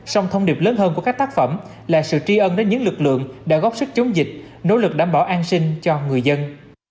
song thông điệp lớn hơn của các tác phẩm là sự tri ân đến những lực lượng đã góp sức chống dịch nỗ lực đảm bảo an sinh cho người dân